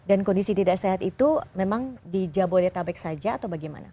dan kondisi tidak sehat itu memang di jabodetabek saja atau bagaimana